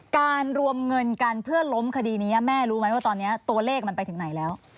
การรวมเงินกันเพื่อล้มคดีนี้แม่รู้ไหมว่าตอนนี้ตัวเลขมันไปถึงไหนแล้ว